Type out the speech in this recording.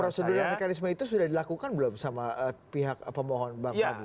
prosedur dan mekanisme itu sudah dilakukan belum sama pihak pemohon bang fadli